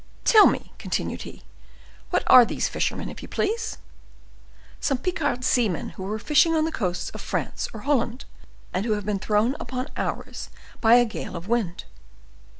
"Tell me," continued he, "what are these fishermen, if you please?" "Some Picard seamen who were fishing on the coasts of France or Holland, and who have been thrown upon ours by a gale of wind."